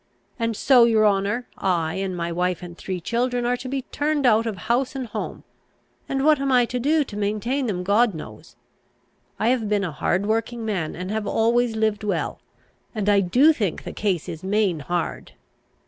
And so, your honour, I and my wife and three children are to be turned out of house and home, and what I am to do to maintain them God knows. I have been a hard working man, and have always lived well, and I do think the case is main hard.